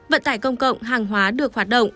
vận tải công cộng hàng hóa được hoạt động